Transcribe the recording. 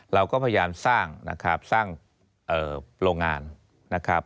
เราก็พยายามสร้างนะครับสร้างโรงงานนะครับ